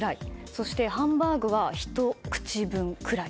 そしてハンバーグはひと口分くらい。